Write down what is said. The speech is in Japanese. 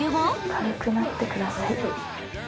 軽くなってください